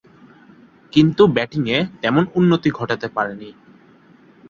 কিন্তু ব্যাটিংয়ে তেমন উন্নতি ঘটাতে পারেননি।